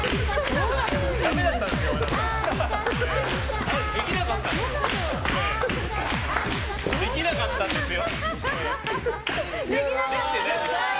高収入できなかったんですよ。